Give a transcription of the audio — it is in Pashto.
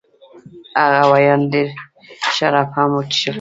هغه ورباندې ډېر شراب هم وڅښل.